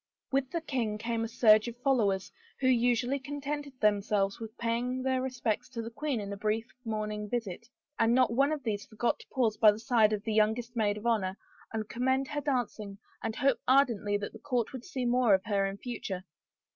With the king had come a surge of followers who usually contented themselves with paying their respects to the queen in a brief morning visit, and not one of these 58 HOPE RENEWED forgot to pause by the side of the youngest maid of honor and commend her dancing and hope ardently that the court would see more of her in future.